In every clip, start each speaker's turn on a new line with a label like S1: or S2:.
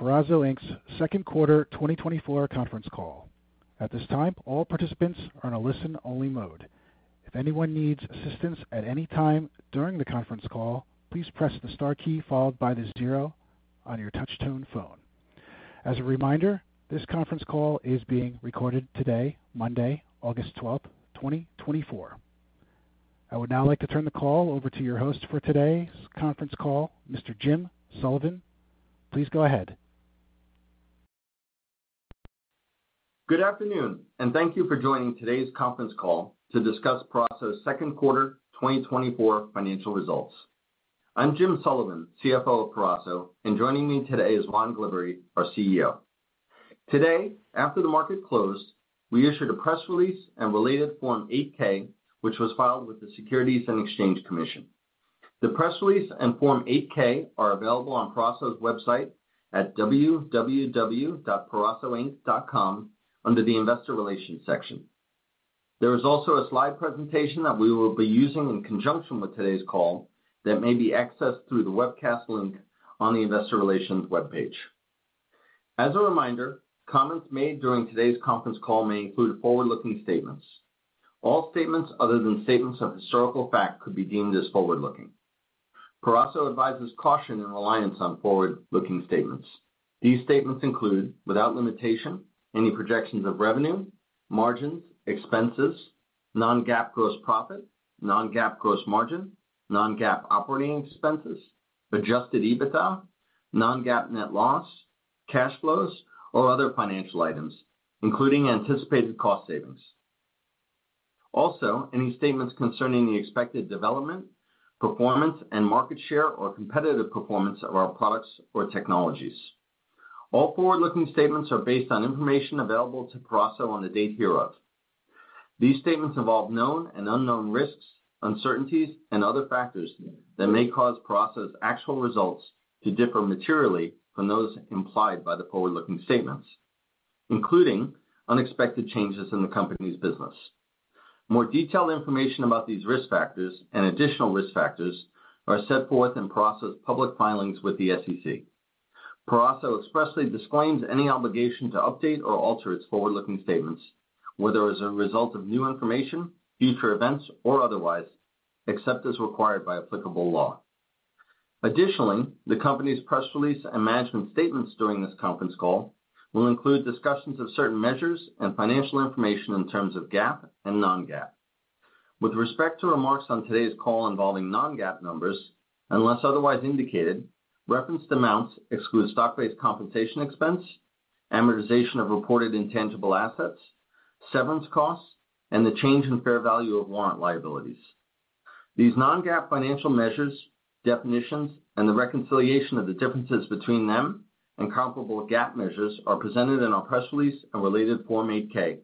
S1: Welcome to Peraso Inc.'s Q2 2024 Conference Call. At this time, all participants are on a listen-only mode. If anyone needs assistance at any time during the conference call, please press the star key followed by the zero on your touchtone phone. As a reminder, this conference call is being recorded today, Monday, August 12, 2024. I would now like to turn the call over to your host for today's conference call, Mr. Jim Sullivan. Please go ahead.
S2: Good afternoon, and thank you for joining today's conference call to discuss Peraso's Q2 2024 financial results. I'm Jim Sullivan, CFO of Peraso, and joining me today is Ron Gliberry, our CEO. Today, after the market closed, we issued a press release and related Form 8-K, which was filed with the Securities and Exchange Commission. The press release and Form 8-K are available on Peraso's website at www.perasoinc.com, under the Investor Relations section. There is also a slide presentation that we will be using in conjunction with today's call that may be accessed through the webcast link on the Investor Relations webpage. As a reminder, comments made during today's conference call may include forward-looking statements. All statements other than statements of historical fact could be deemed as forward-looking. Peraso advises caution and reliance on forward-looking statements. These statements include, without limitation, any projections of revenue, margins, expenses, non-GAAP gross profit, non-GAAP gross margin, non-GAAP operating expenses, adjusted EBITDA, non-GAAP net loss, cash flows, or other financial items, including anticipated cost savings. Also, any statements concerning the expected development, performance, and market share or competitive performance of our products or technologies. All forward-looking statements are based on information available to Peraso on the date hereof. These statements involve known and unknown risks, uncertainties, and other factors that may cause Peraso's actual results to differ materially from those implied by the forward-looking statements, including unexpected changes in the company's business. More detailed information about these risk factors and additional risk factors are set forth in Peraso's public filings with the SEC. Peraso expressly disclaims any obligation to update or alter its forward-looking statements, whether as a result of new information, future events, or otherwise, except as required by applicable law. Additionally, the company's press release and management statements during this conference call will include discussions of certain measures and financial information in terms of GAAP and non-GAAP. With respect to remarks on today's call involving non-GAAP numbers, unless otherwise indicated, referenced amounts exclude stock-based compensation expense, amortization of reported intangible assets, severance costs, and the change in fair value of warrant liabilities. These non-GAAP financial measures, definitions, and the reconciliation of the differences between them and comparable GAAP measures are presented in our press release and related Form 8-K,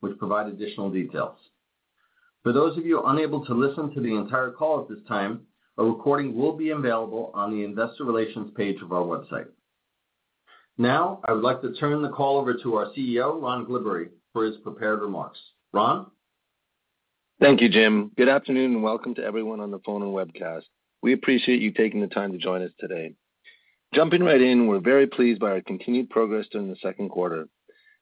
S2: which provide additional details. For those of you unable to listen to the entire call at this time, a recording will be available on the Investor Relations page of our website. Now, I would like to turn the call over to our CEO, Ron Glibbery, for his prepared remarks. Ron?
S3: Thank you, Jim. Good afternoon, and welcome to everyone on the phone and webcast. We appreciate you taking the time to join us today. Jumping right in, we're very pleased by our continued progress during Q2.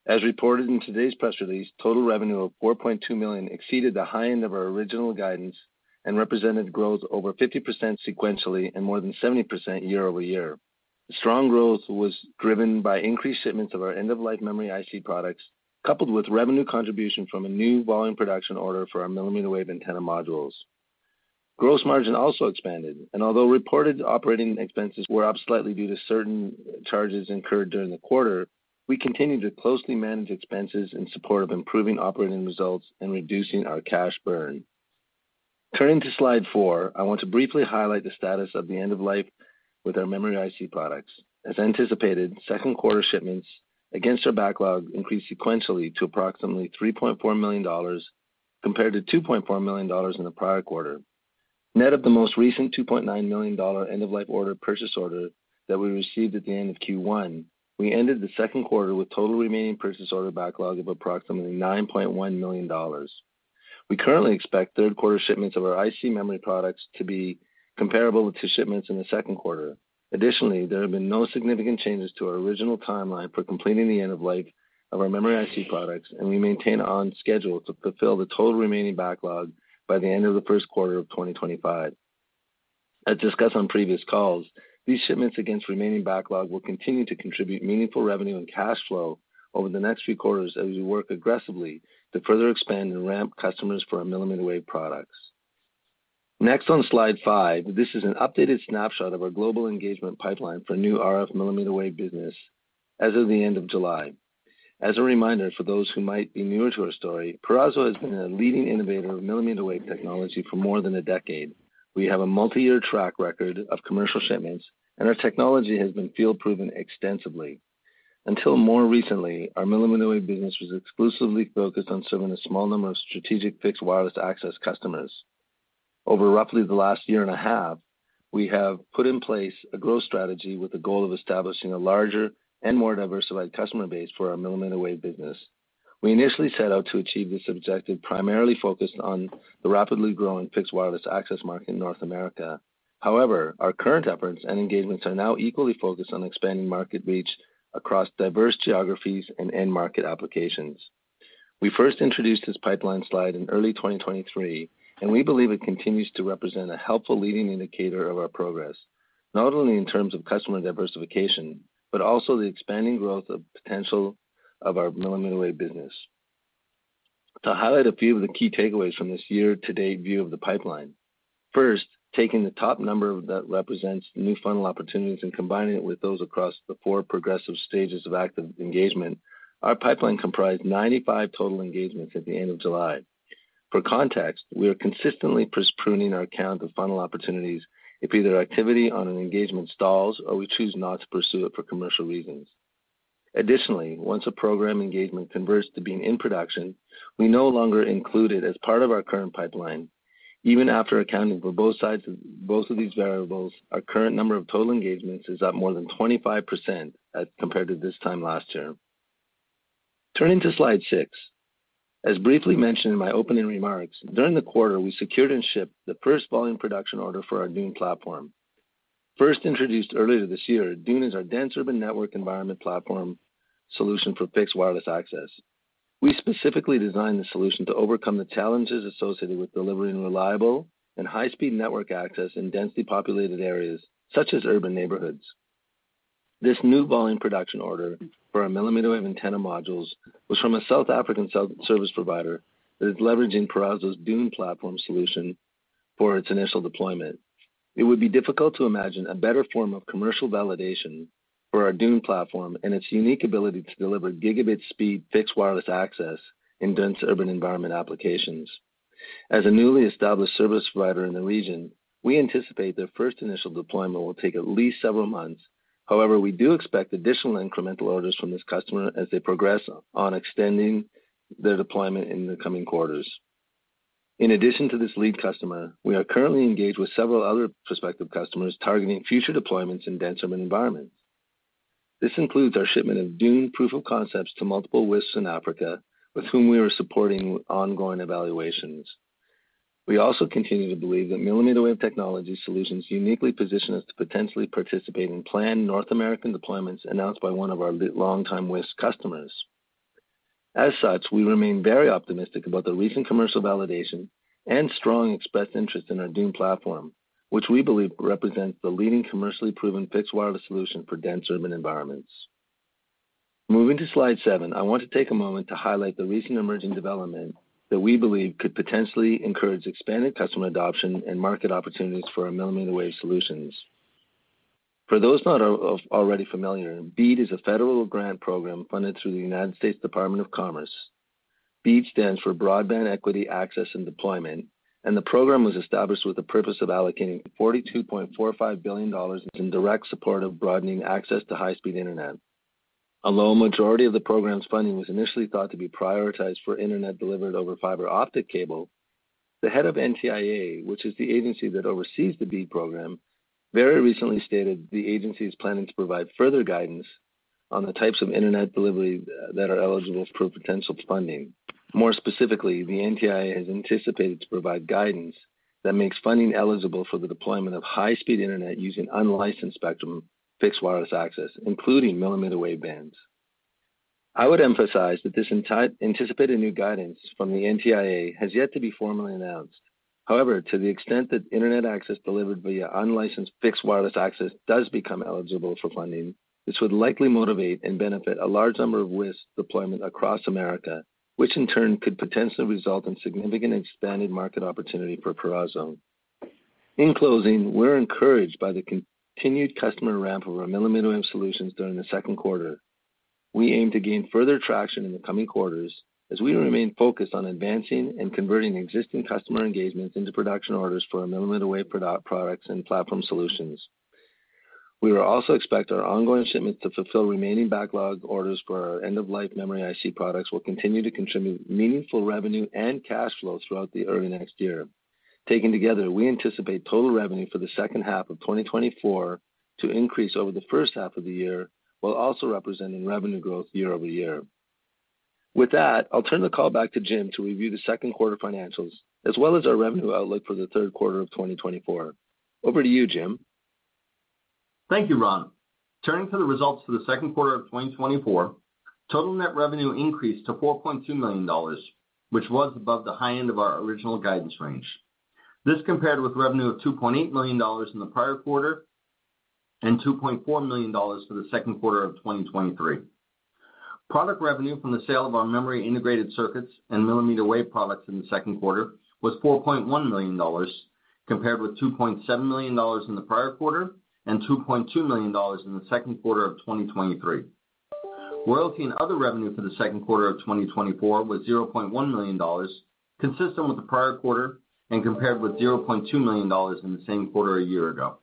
S3: As reported in today's press release, total revenue of $4.2 million exceeded the high end of our original guidance and represented growth over 50% sequentially and more than 70% year-over-year. The strong growth was driven by increased shipments of our end-of-life memory IC products, coupled with revenue contribution from a new volume production order for our millimeter wave antenna modules. Gross margin also expanded, and although reported operating expenses were up slightly due to certain charges incurred during the quarter, we continued to closely manage expenses in support of improving operating results and reducing our cash burn. Turning to slide 4, I want to briefly highlight the status of the end-of-life with our memory IC products. As anticipated, Q2 shipments against our backlog increased sequentially to approximately $3.4 comared to 2.4 million in the prior quarter. Net of the most recent $2.9 million end-of-life order purchase order that we received at the end of Q1, we ended the Q2 with total remaining purchase order backlog of approximately $9.1 million. We currently expect Q3 shipments of our IC memory products to be comparable to shipments in the Q2. Additionally, there have been no significant changes to our original timeline for completing the end of life of our memory IC products, and we maintain on schedule to fulfill the total remaining backlog by the end of the Q1 of 2025. As discussed on previous calls, these shipments against remaining backlog will continue to contribute meaningful revenue and cash flow over the next few quarters as we work aggressively to further expand and ramp customers for our millimeter wave products. Next, on slide five, this is an updated snapshot of our global engagement pipeline for new RF millimeter wave business as of the end of July. As a reminder, for those who might be newer to our story, Peraso has been a leading innovator of millimeter wave technology for more than a decade. We have a multi-year track record of commercial shipments, and our technology has been field-proven extensively. Until more recently, our millimeter wave business was exclusively focused on serving a small number of strategic fixed wireless access customers. Over roughly the last year and a half, we have put in place a growth strategy with the goal of establishing a larger and more diversified customer base for our millimeter wave business.... We initially set out to achieve this objective, primarily focused on the rapidly growing fixed wireless access market in North America. However, our current efforts and engagements are now equally focused on expanding market reach across diverse geographies and end market applications. We first introduced this pipeline slide in early 2023, and we believe it continues to represent a helpful leading indicator of our progress, not only in terms of customer diversification, but also the expanding growth of potential of our millimeter wave business. To highlight a few of the key takeaways from this year-to-date view of the pipeline, first, taking the top number that represents new funnel opportunities and combining it with those across the four progressive stages of active engagement, our pipeline comprised 95 total engagements at the end of July. For context, we are consistently pruning our count of funnel opportunities if either activity on an engagement stalls or we choose not to pursue it for commercial reasons. Additionally, once a program engagement converts to being in production, we no longer include it as part of our current pipeline. Even after accounting for both of these variables, our current number of total engagements is up more than 25% as compared to this time last year. Turning to slide six, as briefly mentioned in my opening remarks, during the quarter, we secured and shipped the first volume production order for our DUNE platform. First introduced earlier this year, DUNE is our dense urban network environment platform solution for fixed wireless access. We specifically designed the solution to overcome the challenges associated with delivering reliable and high-speed network access in densely populated areas, such as urban neighborhoods. This new volume production order for our millimeter wave antenna modules was from a South African cell service provider that is leveraging Peraso's DUNE platform solution for its initial deployment. It would be difficult to imagine a better form of commercial validation for our DUNE platform and its unique ability to deliver gigabit speed, fixed wireless access in dense urban environment applications. As a newly established service provider in the region, we anticipate their first initial deployment will take at least several months. However, we do expect additional incremental orders from this customer as they progress on extending their deployment in the coming quarters. In addition to this lead customer, we are currently engaged with several other prospective customers targeting future deployments in dense urban environments. This includes our shipment of DUNE proof of concepts to multiple WISPs in Africa, with whom we are supporting ongoing evaluations. We also continue to believe that millimeter wave technology solutions uniquely position us to potentially participate in planned North American deployments announced by one of our longtime WISP customers. As such, we remain very optimistic about the recent commercial validation and strong expressed interest in our DUNE platform, which we believe represents the leading commercially proven fixed wireless solution for dense urban environments. Moving to slide seven, I want to take a moment to highlight the recent emerging development that we believe could potentially encourage expanded customer adoption and market opportunities for our millimeter wave solutions. For those not already familiar, BEAD is a federal grant program funded through the United States Department of Commerce. BEAD stands for Broadband Equity Access and Deployment, and the program was established with the purpose of allocating $42.45 billion in direct support of broadening access to high-speed internet. Although a majority of the program's funding was initially thought to be prioritized for internet delivered over fiber optic cable, the head of NTIA, which is the agency that oversees the BEAD program, very recently stated the agency is planning to provide further guidance on the types of internet delivery that are eligible for potential funding. More specifically, the NTIA is anticipated to provide guidance that makes funding eligible for the deployment of high-speed internet using unlicensed spectrum fixed wireless access, including millimeter wave bands. I would emphasize that this anticipated new guidance from the NTIA has yet to be formally announced. However, to the extent that internet access delivered via unlicensed fixed wireless access does become eligible for funding, this would likely motivate and benefit a large number of WISP deployments across America, which in turn could potentially result in significant expanded market opportunity for Peraso. In closing, we're encouraged by the continued customer ramp of our millimeter wave solutions during the Q2. We aim to gain further traction in the coming quarters as we remain focused on advancing and converting existing customer engagements into production orders for our millimeter wave products and platform solutions. We will also expect our ongoing shipment to fulfill remaining backlog orders for our end-of-life memory IC products, will continue to contribute meaningful revenue and cash flows throughout the early next year. Taken together, we anticipate total revenue for the second half of 2024 to increase over the first half of the year, while also representing revenue growth year-over-year. With that, I'll turn the call back to Jim to review Q2 financials, as well as our revenue outlook for the Q3 of 2024. Over to you, Jim.
S2: Thank you, Ron. Turning to the results for the Q2 of 2024, total net revenue increased to $4.2 million, which was above the high end of our original guidance range. This compared with revenue of $2.8 million in the prior quarter and $2.4 million for the Q2 of 2023. Product revenue from the sale of our memory integrated circuits and millimeter wave products in the Q2 was $4.1 compared with 2.7 million in the prior quarter and $2.2 million in Q2 of 2023. Royalty and other revenue for the Q2 of 2024 was $0.1 million, consistent with the prior quarter and compared with $0.2 million in the same quarter a year ago.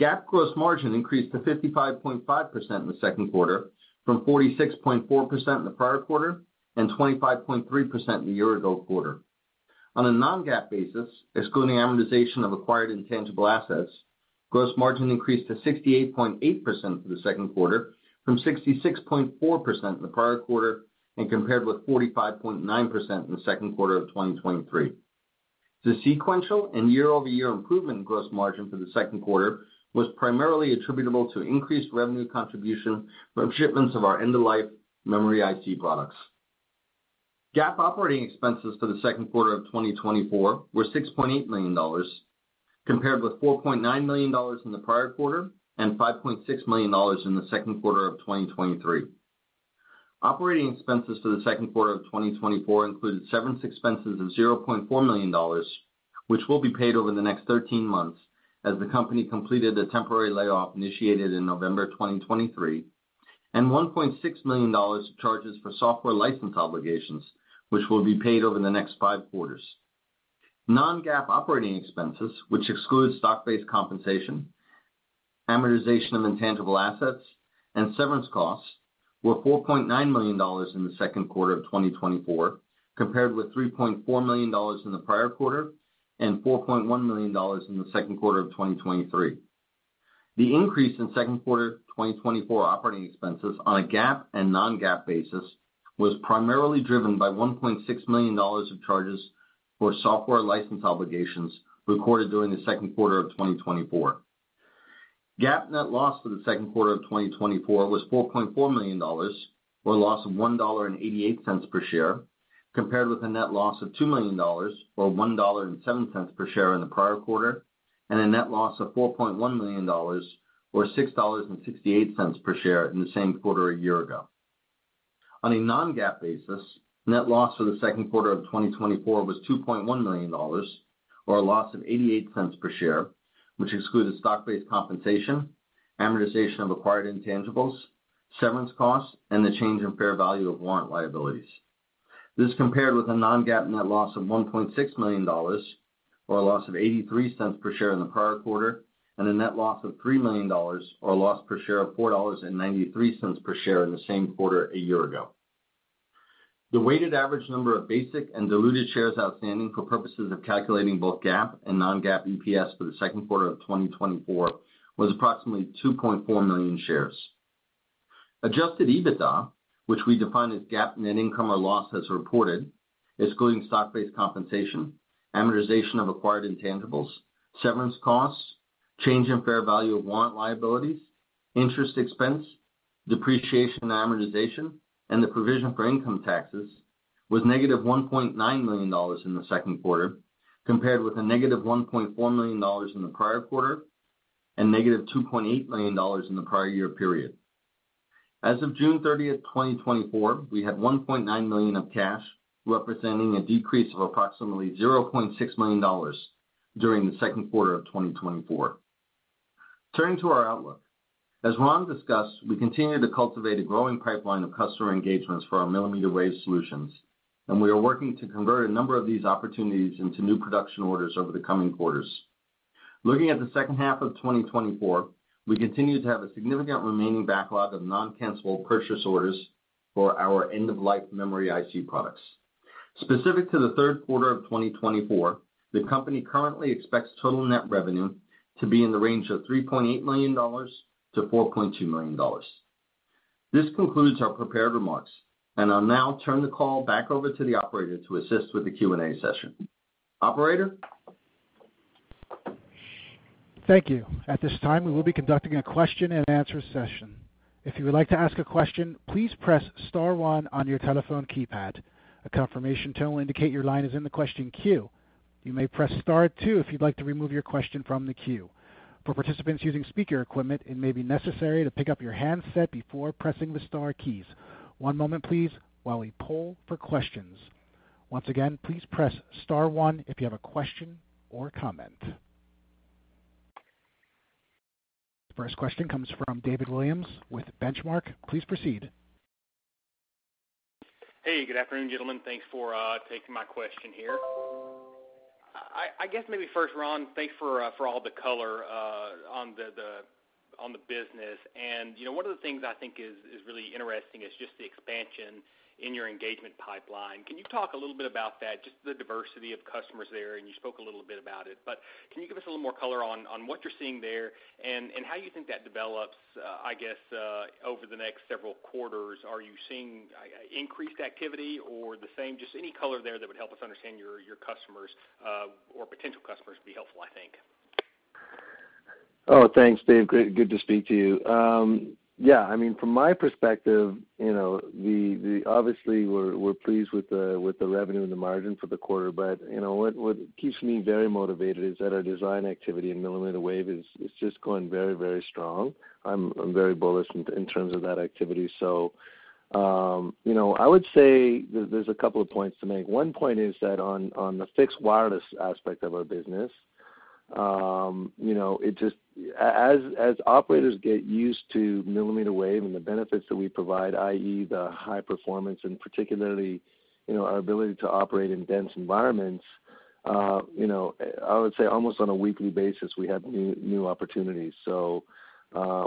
S2: GAAP gross margin increased to 55.5% in Q2, from 46.4% in the prior quarter and 25.3% in the year ago quarter. On a non-GAAP basis, excluding amortization of acquired intangible assets, gross margin increased to 68.8% for the Q2, from 66.4% in the prior quarter, and compared with 45.9% in the Q2 of 2023. The sequential and year-over-year improvement in gross margin for the Q2 was primarily attributable to increased revenue contribution from shipments of our end-of-life memory IC products. GAAP operating expenses for the Q2 of 2024 were $6.8 compared with 4.9 million in the prior quarter and $5.6 million in the Q2 of 2023. Operating expenses for the Q2 of 2024 included severance expenses of $0.4 million, which will be paid over the next 13 months, as the company completed a temporary layoff initiated in November 2023, and $1.6 million of charges for software license obligations, which will be paid over the next five quarters. Non-GAAP operating expenses, which excludes stock-based compensation, amortization of intangible assets, and severance costs, were $4.9 million in Q2 of 2024, compared with $3.4 million in the prior quarter and $4.1 million in the Q2 of 2023. The increase in Q2 2024 operating expenses on a GAAP and non-GAAP basis was primarily driven by $1.6 million of charges for software license obligations recorded during Q2 of 2024. GAAP net loss for the Q2 of 2024 was $4.4 million, or a loss of $1.88 per share, compared with a net loss of $2 million, or $1.07 per share in the prior quarter, and a net loss of $4.1 million, or $6.68 per share in the same quarter a year ago. On a non-GAAP basis, net loss for the Q2 of 2024 was $2.1 million, or a loss of $0.88 per share, which excluded stock-based compensation, amortization of acquired intangibles, severance costs, and the change in fair value of warrant liabilities. This compared with a non-GAAP net loss of $1.6 million, or a loss of 83 cents per share in the prior quarter, and a net loss of $3 million, or a loss per share of $4.93 per share in the same quarter a year ago. The weighted average number of basic and diluted shares outstanding for purposes of calculating both GAAP and non-GAAP EPS for the Q2 of 2024 was approximately 2.4 million shares. Adjusted EBITDA, which we define as GAAP net income or loss as reported, excluding stock-based compensation, amortization of acquired intangibles, severance costs, change in fair value of warrant liabilities, interest expense, depreciation and amortization, and the provision for income taxes, was negative $1.9 million in Q2, compared with a negative $1.4 million in the prior quarter and negative $2.8 million in the prior year period. As of June 30, 2024, we had $1.9 million of cash, representing a decrease of approximately $0.6 million during Q2 of 2024. Turning to our outlook. As Ron discussed, we continue to cultivate a growing pipeline of customer engagements for our millimeter wave solutions, and we are working to convert a number of these opportunities into new production orders over the coming quarters. Looking at the second half of 2024, we continue to have a significant remaining backlog of non-cancelable purchase orders for our end-of-life memory IC products. Specific to the Q3 of 2024, the company currently expects total net revenue to be in the range of $3.8-4.2 million. This concludes our prepared remarks, and I'll now turn the call back over to the operator to assist with the Q&A session. Operator?
S1: Thank you. At this time, we will be conducting a question-and-answer session. If you would like to ask a question, please press star one on your telephone keypad. A confirmation tone will indicate your line is in the question queue. You may press star two if you'd like to remove your question from the queue. For participants using speaker equipment, it may be necessary to pick up your handset before pressing the star keys. One moment please while we poll for questions. Once again, please press star one if you have a question or comment. First question comes from David Williams with Benchmark. Please proceed.
S4: Hey, good afternoon, gentlemen. Thanks for taking my question here. I guess maybe first, Ron, thanks for all the color on the business. You know, one of the things I think is really interesting is just the expansion in your engagement pipeline. Can you talk a little bit about that, just the diversity of customers there? And you spoke a little bit about it, but can you give us a little more color on what you're seeing there and how you think that develops, I guess, over the next several quarters? Are you seeing increased activity or the same? Just any color there that would help us understand your customers or potential customers would be helpful, I think.
S3: Oh, thanks, Dave. Great. Good to speak to you. Yeah, I mean, from my perspective, you know, obviously, we're pleased with the revenue and the margin for the quarter. But, you know, what keeps me very motivated is that our design activity in millimeter wave is just going very, very strong. I'm very bullish in terms of that activity. So, you know, I would say there's a couple of points to make. One point is that on the fixed wireless aspect of our business, you know, as operators get used to millimeter wave and the benefits that we provide, i.e., the high performance and particularly, you know, our ability to operate in dense environments, you know, I would say almost on a weekly basis, we have new opportunities. So,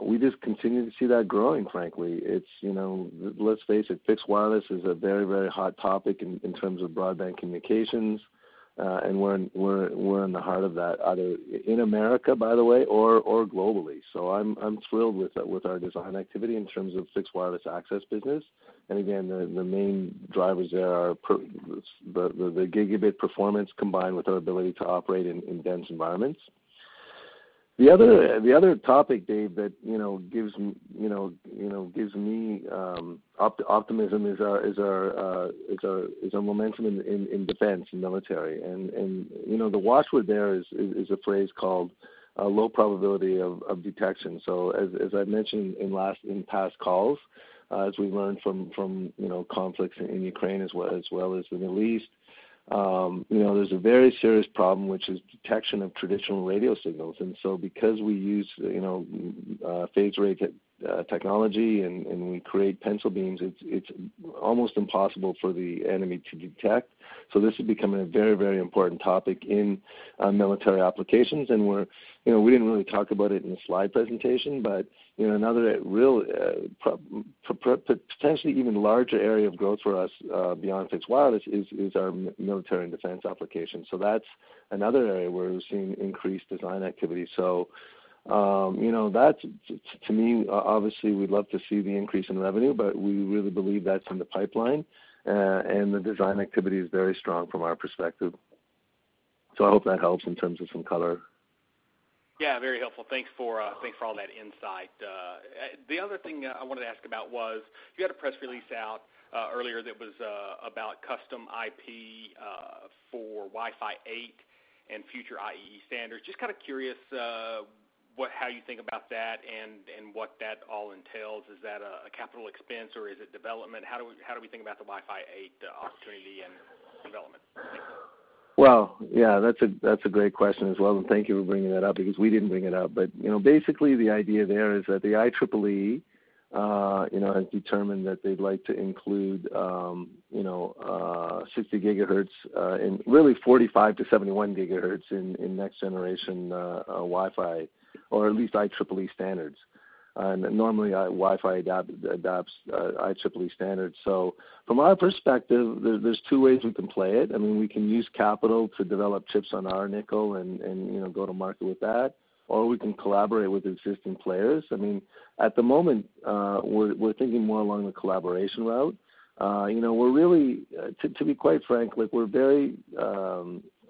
S3: we just continue to see that growing, frankly. It's, you know, let's face it, fixed wireless is a very, very hot topic in terms of broadband communications, and we're in the heart of that, either in America, by the way, or globally. So I'm thrilled with our design activity in terms of fixed wireless access business. And again, the main drivers there are the gigabit performance combined with our ability to operate in dense environments. The other topic, Dave, that, you know, gives me optimism is our momentum in defense, in military. And you know, the watchword there is a phrase called low probability of detection. So, as I've mentioned in past calls, as we learned from, you know, conflicts in Ukraine, as well as the Middle East, you know, there's a very serious problem, which is detection of traditional radio signals. And so because we use, you know, phased array technology, and we create pencil beams, it's almost impossible for the enemy to detect. So this is becoming a very, very important topic in military applications. And you know, we didn't really talk about it in the slide presentation, but, you know, another real, potentially even larger area of growth for us, beyond fixed wireless is our military and defense applications. So that's another area where we're seeing increased design activity. So, you know, that's, to me, obviously, we'd love to see the increase in revenue, but we really believe that's in the pipeline, and the design activity is very strong from our perspective. So I hope that helps in terms of some color.
S4: Yeah, very helpful. Thanks for, thanks for all that insight. The other thing I wanted to ask about was, you had a press release out, earlier that was, about custom IP, for Wi-Fi 8 and future IEEE standards. Just kind of curious, how you think about that and, and what that all entails. Is that a capital expense, or is it development? How do we think about the Wi-Fi 8 opportunity and development?
S3: Well, yeah, that's a, that's a great question as well, and thank you for bringing that up because we didn't bring it up. But, you know, basically, the idea there is that the IEEE, you know, has determined that they'd like to include, you know, 60GHz in really 45-71GHz in next generation Wi-Fi, or at least IEEE standards. And normally, Wi-Fi adopts IEEE standards. So from our perspective, there's two ways we can play it. I mean, we can use capital to develop chips on our nickel and, you know, go to market with that, or we can collaborate with existing players. I mean, at the moment, we're thinking more along the collaboration route. You know, we're really to be quite frank, like, we're very,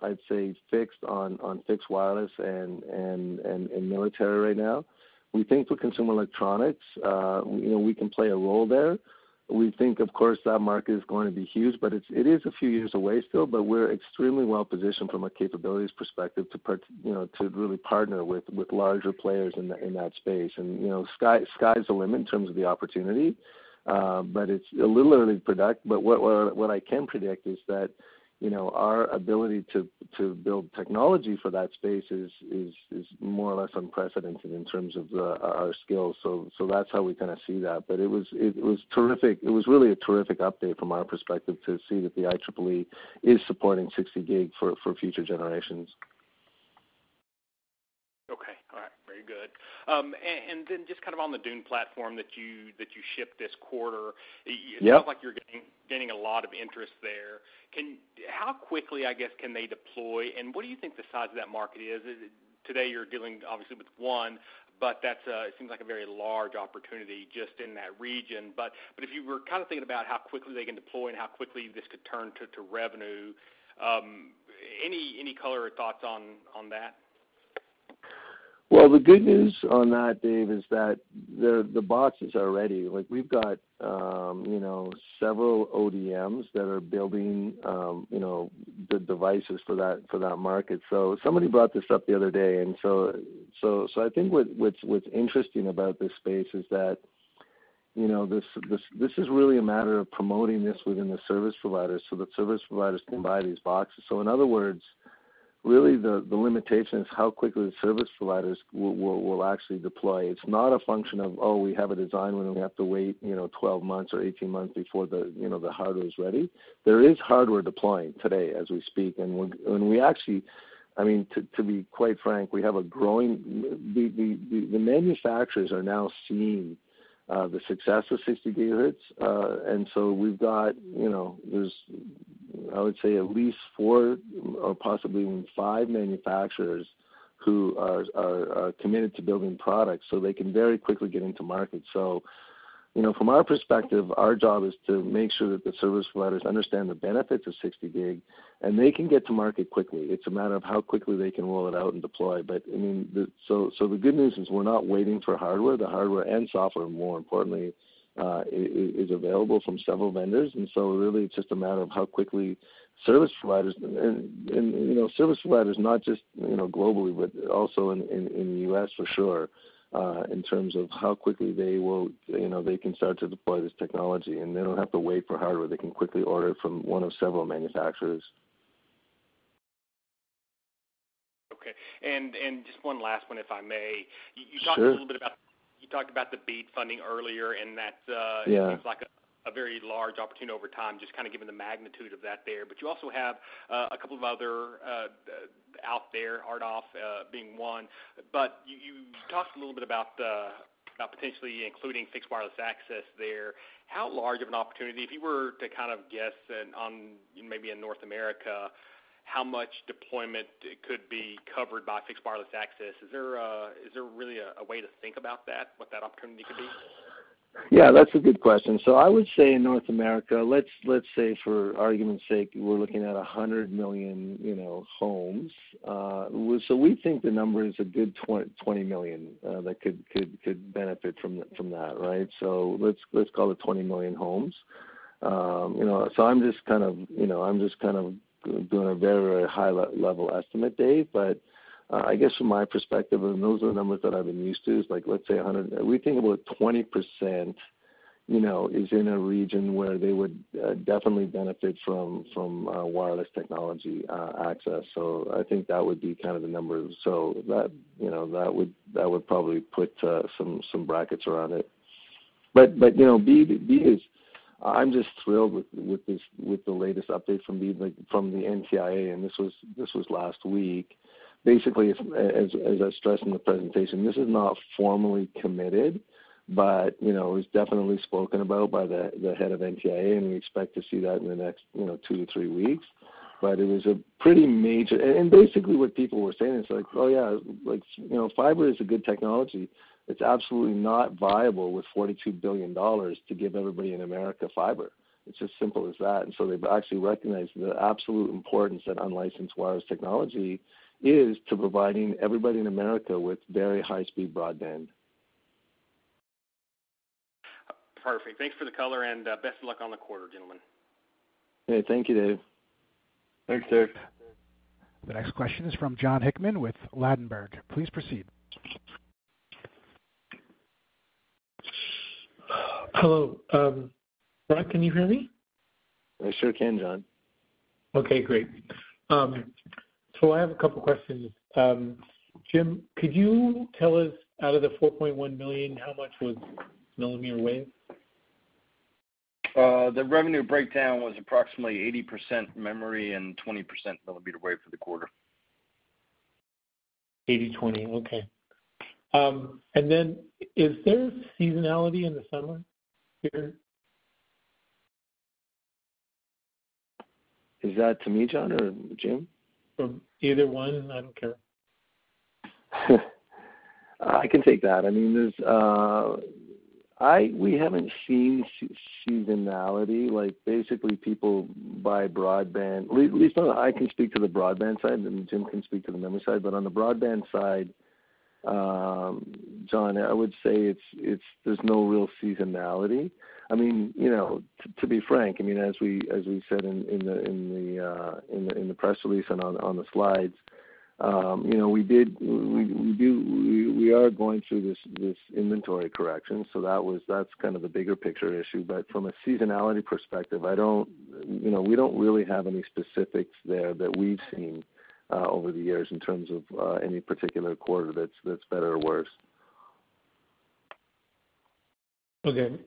S3: I'd say, fixed on fixed wireless and military right now. We think with consumer electronics, you know, we can play a role there. We think, of course, that market is going to be huge, but it is a few years away still, but we're extremely well-positioned from a capabilities perspective to you know, to really partner with larger players in that space. And, you know, sky's the limit in terms of the opportunity, but it's a little early to predict. But what I can predict is that, you know, our ability to build technology for that space is more or less unprecedented in terms of our skills. So that's how we kind of see that. It was terrific. It was really a terrific update from our perspective to see that the IEEE is supporting 60GHz for future generations.
S4: Okay. All right, very good. And then just kind of on the DUNE platform that you, that you shipped this quarter-
S3: Yep.
S4: It sounds like you're getting a lot of interest there. How quickly, I guess, can they deploy, and what do you think the size of that market is? Today, you're dealing obviously with one, but that's it seems like a very large opportunity just in that region. But if you were kind of thinking about how quickly they can deploy and how quickly this could turn to revenue, any color or thoughts on that?
S3: Well, the good news on that, Dave, is that the boxes are ready. Like, we've got, you know, several ODMs that are building, you know, the devices for that, for that market. So somebody brought this up the other day, and so I think what's interesting about this space is that, you know, this is really a matter of promoting this within the service providers so that service providers can buy these boxes. So in other words, really, the limitation is how quickly the service providers will actually deploy. It's not a function of, oh, we have a design win, and we have to wait, you know, 12 months or 18 months before the, you know, the hardware is ready. There is hardware deploying today as we speak, and we actually, I mean, to be quite frank, we have a growing. The manufacturers are now seeing the success of 60GHz, and so we've got, you know, there's, I would say, at least four or possibly even five manufacturers who are committed to building products, so they can very quickly get into market. So you know, from our perspective, our job is to make sure that the service providers understand the benefits of 60GHz, and they can get to market quickly. It's a matter of how quickly they can roll it out and deploy. But, I mean, the good news is we're not waiting for hardware. The hardware and software, more importantly, is available from several vendors, and so really, it's just a matter of how quickly service providers, and you know, service providers, not just, you know, globally, but also in the U.S. for sure, in terms of how quickly they will, you know, they can start to deploy this technology. And they don't have to wait for hardware. They can quickly order it from one of several manufacturers....
S4: Okay, and just one last one, if I may.
S3: Sure.
S4: You talked about the BEAD funding earlier, and that,
S3: Yeah
S4: Seems like a very large opportunity over time, just kind of given the magnitude of that there. But you also have a couple of other out there, RDOF being one. But you talked a little bit about potentially including fixed wireless access there. How large of an opportunity, if you were to kind of guess on, maybe in North America, how much deployment could be covered by fixed wireless access? Is there really a way to think about that, what that opportunity could be?
S3: Yeah, that's a good question. So I would say in North America, let's say, for argument's sake, we're looking at 100 million homes, you know. So we think the number is a good 20 million that could benefit from that, right? So let's call it 20 million homes. You know, so I'm just kind of doing a very high-level estimate, Dave. But I guess from my perspective, and those are the numbers that I've been used to, is like, let's say 100—we think about 20%, you know, is in a region where they would definitely benefit from wireless technology access. So I think that would be kind of the number. So that, you know, that would probably put some brackets around it. But, you know, BEAD is... I'm just thrilled with this, with the latest update from BEAD, like, from the NTIA, and this was last week. Basically, as I stressed in the presentation, this is not formally committed, but, you know, it was definitely spoken about by the head of NTIA, and we expect to see that in the next, you know, 2-3 weeks. But it was a pretty major. And basically what people were saying is like, "Oh, yeah, like, you know, fiber is a good technology. It's absolutely not viable with $42 billion to give everybody in America fiber." It's as simple as that. They've actually recognized the absolute importance that unlicensed wireless technology is to providing everybody in America with very high-speed broadband.
S4: Perfect. Thanks for the color, and best of luck on the quarter, gentlemen.
S3: Hey, thank you, Dave.
S2: Thanks, Dave.
S1: The next question is from John Hickman with Ladenburg. Please proceed.
S5: Hello, Ron, can you hear me?
S3: I sure can, Jon.
S5: Okay, great. I have a couple questions. Jim, could you tell us, out of the $4.1 billion, how much was millimeter wave?
S2: The revenue breakdown was approximately 80% memory and 20% millimeter wave for the quarter.
S5: 80-20, okay. And then is there seasonality in the summer here?
S3: Is that to me, Jon, or Jim?
S5: From either one, I don't care.
S3: I can take that. I mean, there's we haven't seen seasonality, like, basically people buy broadband, at least I can speak to the broadband side, and Jim can speak to the memory side. But on the broadband side, Jon, I would say it's, there's no real seasonality. I mean, you know, to be frank, I mean, as we said in the press release and on the slides, you know, we are going through this inventory correction, so that was... That's kind of the bigger picture issue. But from a seasonality perspective, I don't, you know, we don't really have any specifics there that we've seen over the years in terms of any particular quarter that's better or worse.
S5: Okay,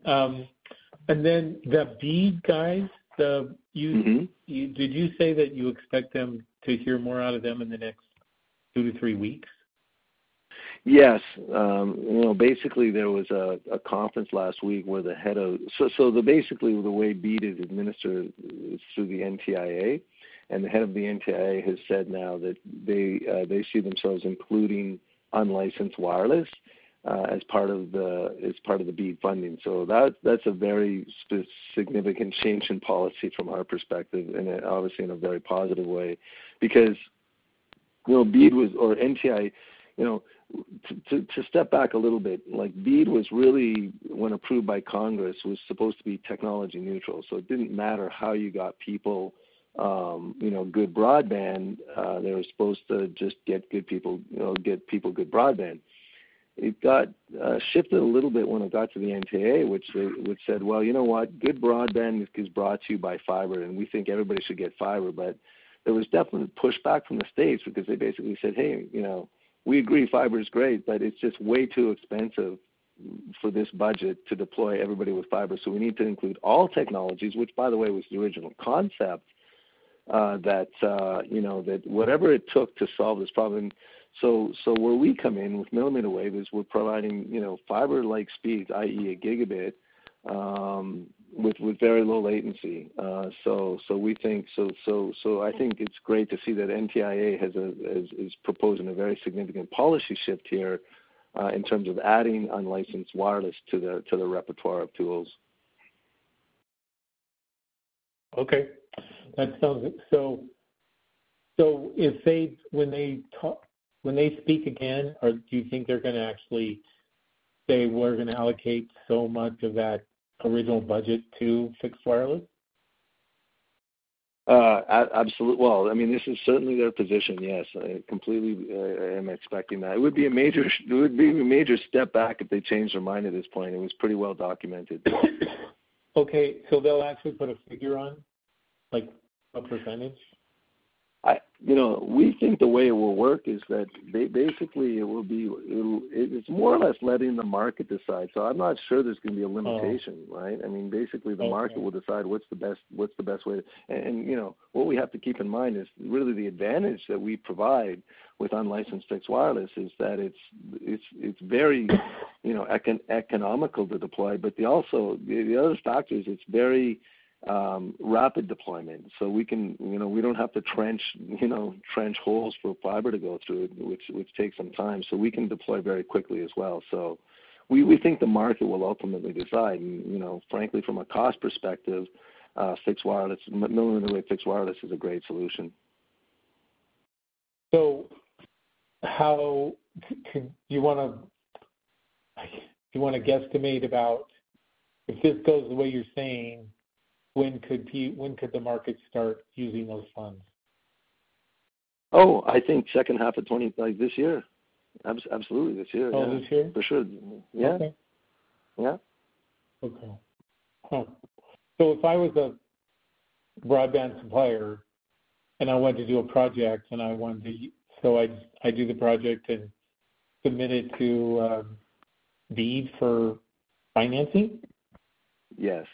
S5: and then the BEAD guys, the-
S3: Mm-hmm.
S5: You, did you say that you expect them to hear more out of them in the next 2-3 weeks?
S3: Yes. You know, basically, there was a conference last week where the head of the NTIA—So, basically, the way BEAD is administered is through the NTIA, and the head of the NTIA has said now that they see themselves including unlicensed wireless as part of the BEAD funding. So that, that's a very significant change in policy from our perspective, and obviously in a very positive way. Because, you know, BEAD was, or NTIA, you know, to step back a little bit, like, BEAD was really, when approved by Congress, was supposed to be technology neutral. So it didn't matter how you got people, you know, good broadband, they were supposed to just get good people, you know, get people good broadband. It got shifted a little bit when it got to the NTIA, which they said, "Well, you know what? Good broadband is brought to you by fiber, and we think everybody should get fiber." But there was definitely pushback from the states because they basically said, "Hey, you know, we agree fiber is great, but it's just way too expensive for this budget to deploy everybody with fiber. So we need to include all technologies," which, by the way, was the original concept, that you know that whatever it took to solve this problem. So where we come in with millimeter wave, is we're providing, you know, fiber-like speeds, i.e., a gigabit, with very low latency. So, I think it's great to see that NTIA is proposing a very significant policy shift here, in terms of adding unlicensed wireless to the repertoire of tools.
S5: Okay, that sounds good. So, so if they, when they talk, when they speak again, or do you think they're gonna actually say, we're gonna allocate so much of that original budget to fixed wireless?
S3: Well, I mean, this is certainly their position. Yes, I completely am expecting that. It would be a major, it would be a major step back if they changed their mind at this point. It was pretty well documented.
S5: Okay, so they'll actually put a figure on?... like a percentage?
S3: You know, we think the way it will work is that basically, it will be, it's more or less letting the market decide, so I'm not sure there's gonna be a limitation, right?
S5: Oh.
S3: I mean, basically-
S5: Make sense...
S3: the market will decide what's the best, what's the best way. And, you know, what we have to keep in mind is really the advantage that we provide with unlicensed fixed wireless is that it's very, you know, economical to deploy, but also, the other factor is it's very rapid deployment. So we can, you know, we don't have to trench, you know, trench holes for fiber to go through, which takes some time, so we can deploy very quickly as well. So we think the market will ultimately decide. And, you know, frankly, from a cost perspective, fixed wireless, millimeter wave fixed wireless is a great solution.
S5: So how can, do you wanna, like, do you wanna guesstimate about if this goes the way you're saying, when could the, when could the market start using those funds?
S3: Oh, I think second half of this year. Absolutely, this year.
S5: Oh, this year?
S3: For sure. Yeah.
S5: Okay.
S3: Yeah.
S5: Okay. So if I was a broadband supplier, and I wanted to do a project, and I wanted to... So I do the project and submit it to BEAD for financing?
S3: Yes.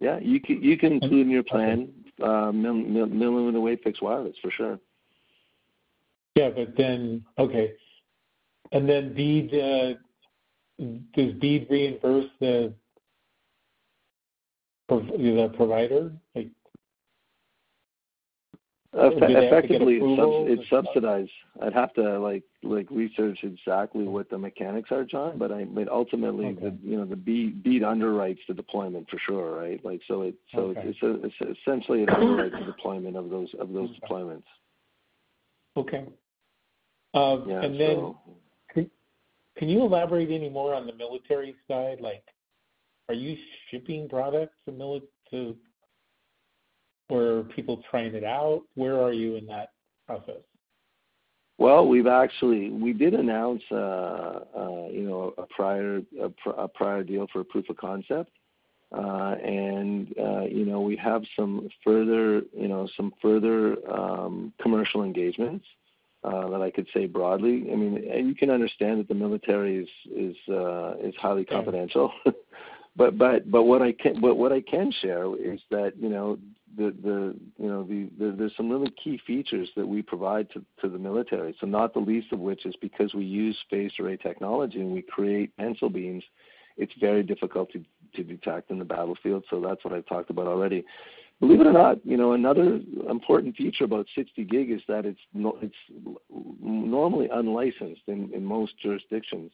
S3: Yeah, you can, you can include in your plan, Millimeter Wave fixed wireless, for sure.
S5: Yeah, but then... Okay. And then BEAD, does BEAD reimburse the provider? Like-
S3: Effectively, it subs-
S5: Do they have to get approval?
S3: It subsidizes. I'd have to, like, research exactly what the mechanics are, John, but ultimately-
S5: Okay...
S3: you know, the BEAD, BEAD underwrites the deployment for sure, right? Like, so it-
S5: Okay...
S3: so essentially, it underwrites the deployment of those deployments.
S5: Okay.
S3: Yeah, so-
S5: And then can you elaborate any more on the military side? Like, are you shipping products to military, or are people trying it out? Where are you in that process?
S3: Well, we've actually we did announce, you know, a prior deal for a proof of concept. You know, we have some further commercial engagements that I could say broadly. I mean, and you can understand that the military is highly confidential. But what I can share is that, you know, there's some really key features that we provide to the military. So not the least of which is because we use phased array technology, and we create pencil beams, it's very difficult to detect in the battlefield, so that's what I've talked about already. Believe it or not, you know, another important feature about 60 gig is that it's normally unlicensed in most jurisdictions.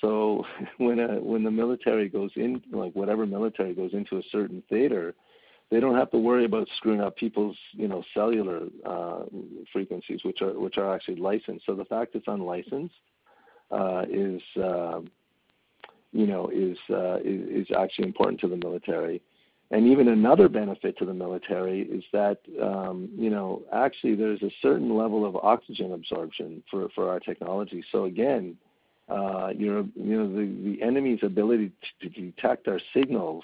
S3: So when the military goes in, like, whatever military goes into a certain theater, they don't have to worry about screwing up people's, you know, cellular frequencies, which are actually licensed. So the fact it's unlicensed is, you know, actually important to the military. And even another benefit to the military is that, you know, actually, there's a certain level of oxygen absorption for our technology. So again, you know, the enemy's ability to detect our signals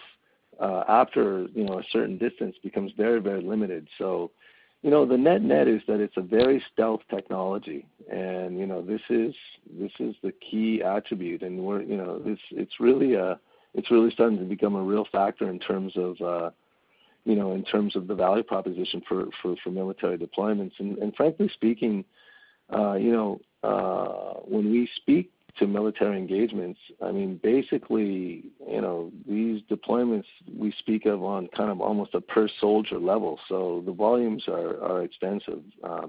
S3: after, you know, a certain distance becomes very, very limited. So, you know, the net-net is that it's a very stealth technology, and, you know, this is, this is the key attribute, and we're, you know, it's, it's really, it's really starting to become a real factor in terms of, you know, in terms of the value proposition for, for, for military deployments. And frankly speaking, you know, when we speak to military engagements, I mean, basically, you know, these deployments we speak of on kind of almost a per soldier level. So the volumes are extensive,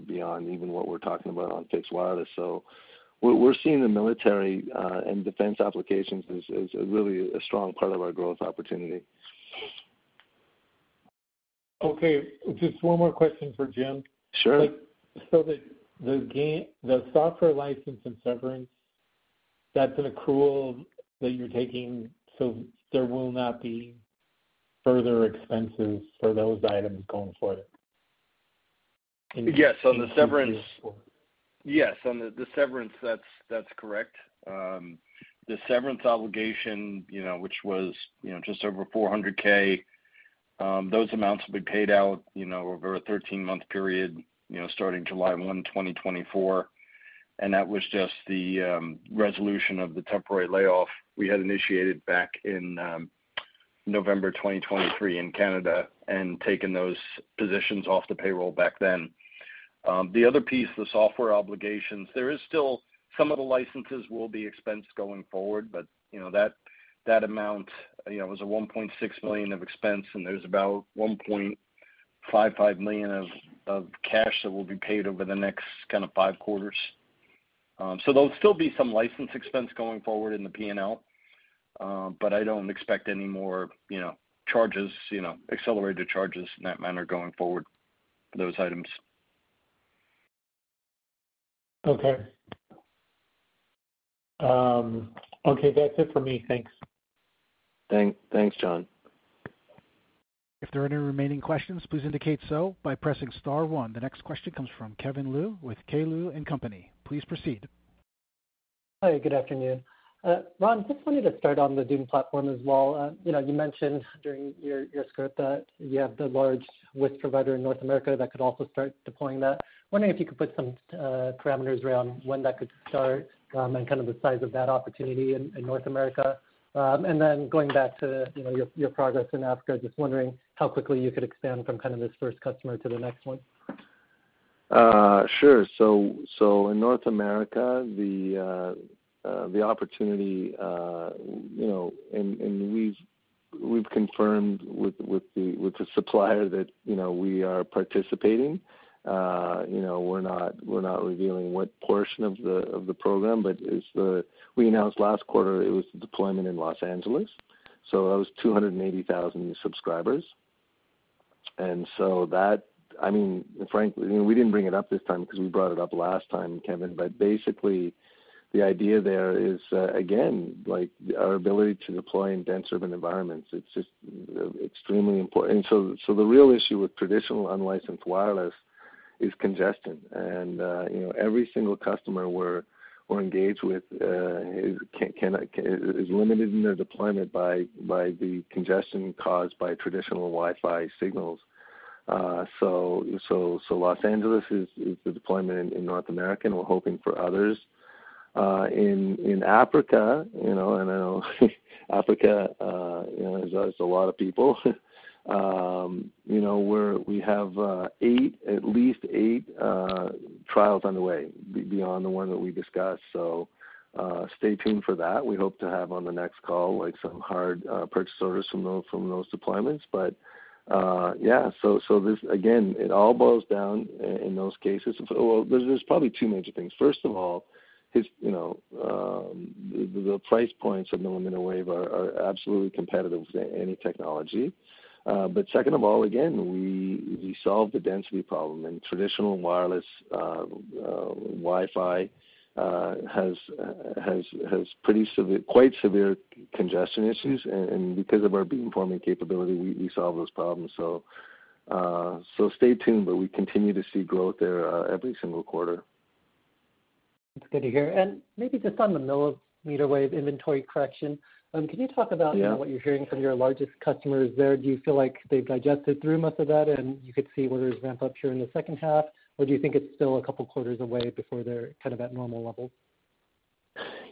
S3: beyond even what we're talking about on fixed wireless. So we're seeing the military and defense applications as a really strong part of our growth opportunity.
S5: Okay, just one more question for Jim.
S3: Sure.
S5: Like, so the software license and severance, that's an accrual that you're taking, so there will not be further expenses for those items going forward?
S2: Yes, on the severance-
S5: Yes, on the severance, that's correct. The severance obligation, you know, which was, you know, just over $400K, those amounts will be paid out, you know, over a 13-month period, you know, starting July 1, 2024. And that was just the resolution of the temporary layoff we had initiated back in November 2023 in Canada, and taken those positions off the payroll back then. The other piece, the software obligations, there is still some of the licenses will be expensed going forward, but you know, that amount, you know, was a $1.6 million of expense, and there's about $1.55 million of cash that will be paid over the next kind of five quarters. There'll still be some license expense going forward in the P&L, but I don't expect any more, you know, charges, you know, accelerated charges in that manner going forward for those items. Okay. Okay, that's it for me. Thanks.
S3: Thanks, Jon.
S1: If there are any remaining questions, please indicate so by pressing star one. The next question comes from Kevin Liu with K. Liu & Company. Please proceed. Hi, good afternoon. Ron, just wanted to start on the DUNE platform as well. You know, you mentioned during your, your script that you have the large WISP provider in North America that could also start deploying that. Wondering if you could put some parameters around when that could start, and kind of the size of that opportunity in, in North America. And then going back to, you know, your, your progress in Africa, just wondering how quickly you could expand from kind of this first customer to the next one?
S3: Sure. So in North America, the opportunity, you know, and we've confirmed with the supplier that, you know, we are participating. You know, we're not revealing what portion of the program, but it's the—we announced last quarter, it was the deployment in Los Angeles, so that was 280,000 subscribers. And so that, I mean, frankly, we didn't bring it up this time 'cause we brought it up last time, Kevin. But basically, the idea there is, again, like our ability to deploy in dense urban environments, it's just extremely important. And so the real issue with traditional unlicensed wireless is congestion. You know, every single customer we're engaged with is limited in their deployment by the congestion caused by traditional Wi-Fi signals. So Los Angeles is the deployment in North America, and we're hoping for others. In Africa, you know, and I know Africa, you know, is a lot of people. You know, we have at least eight trials underway beyond the one that we discussed. So stay tuned for that. We hope to have on the next call like some hard purchase orders from those deployments. But so this again, it all boils down in those cases. Well, there's probably two major things. First of all, you know, the price points of millimeter wave are absolutely competitive with any technology. But second of all, again, we solve the density problem, and traditional wireless Wi-Fi has pretty severe, quite severe congestion issues, and because of our beamforming capability, we solve those problems. So, stay tuned, but we continue to see growth there, every single quarter.
S6: That's good to hear. And maybe just on the millimeter wave inventory correction, can you talk about-
S3: Yeah
S6: What you're hearing from your largest customers there? Do you feel like they've digested through most of that, and you could see whether it's ramp up here in the second half? Or do you think it's still a couple quarters away before they're kind of at normal levels?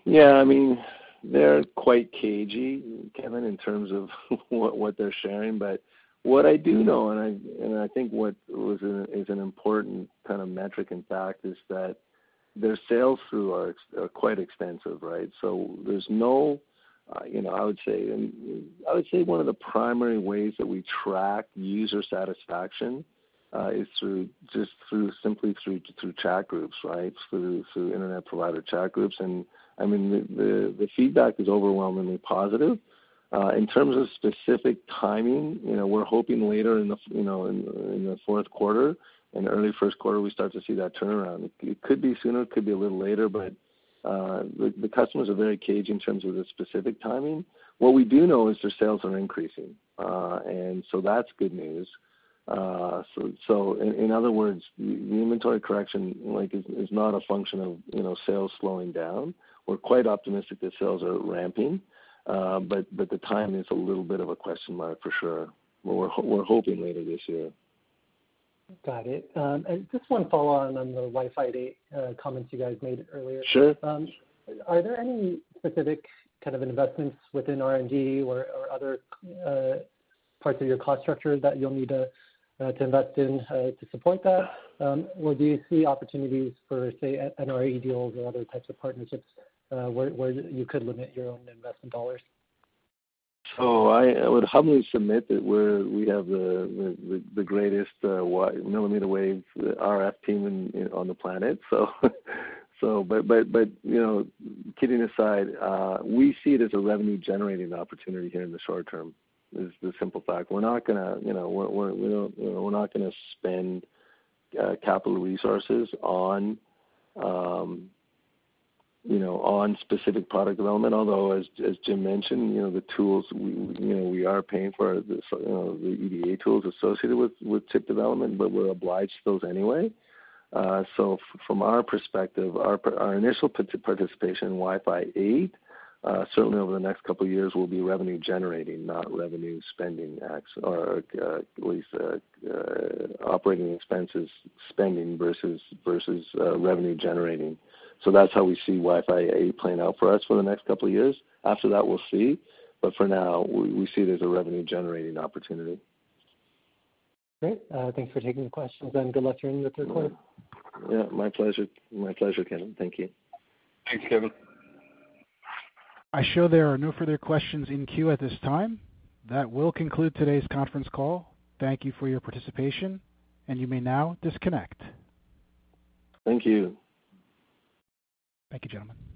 S3: Yeah, I mean, they're quite cagey, Kevin, in terms of what they're sharing. But what I do know, and I think what is an important kind of metric, in fact, is that their sales through are quite extensive, right? So there's no, you know, I would say one of the primary ways that we track user satisfaction is through just simply through chat groups, right? Through internet provider chat groups. And I mean, the feedback is overwhelmingly positive. In terms of specific timing, you know, we're hoping later i Q4 and early Q1, we start to see that turnaround. It could be sooner. It could be a little later, but the customers are very cagey in terms of the specific timing. What we do know is their sales are increasing, and so that's good news. So in other words, the inventory correction, like is not a function of, you know, sales slowing down. We're quite optimistic that sales are ramping, but the timing is a little bit of a question mark for sure, but we're hoping later this year.
S6: Got it. And just one follow-on on the Wi-Fi 8, comments you guys made earlier.
S3: Sure.
S6: Are there any specific kind of investments within R&D or other parts of your cost structure that you'll need to invest in to support that? Or do you see opportunities for, say, NRE deals or other types of partnerships where you could limit your own investment dollars?
S3: So, I would humbly submit that we have the greatest millimeter wave RF team on the planet. But, you know, kidding aside, we see it as a revenue generating opportunity here in the short term, is the simple fact. We're not gonna, you know, we don't, you know, we're not gonna spend capital resources on, you know, on specific product development. Although, as Jim mentioned, you know, the tools, we, you know, we are paying for, the, you know, the EDA tools associated with chip development, but we're obliged to those anyway. So from our perspective, our initial participation in Wi-Fi 8, certainly over the next couple of years, will be revenue generating, not revenue spending or at least operating expenses spending versus revenue generating. So that's how we see Wi-Fi 8 playing out for us for the next couple of years. After that, we'll see. But for now, we see it as a revenue generating opportunity.
S6: Great. Thanks for taking the questions, and good luck to you in Q3.
S3: Yeah, my pleasure. My pleasure, Kevin. Thank you.
S5: Thanks, Kevin.
S1: I show there are no further questions in queue at this time. That will conclude today's conference call. Thank you for your participation, and you may now disconnect.
S3: Thank you.
S1: Thank you, gentlemen.